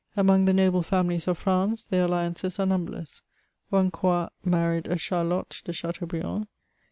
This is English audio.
Among the noble families of Frauce, their alliances are numberless. One Croi married a Charlotte de Chateaubriand.